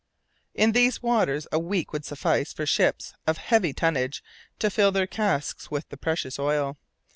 In these waters a week would suffice for ships of heavy tonnage to fill their casks with the precious oil.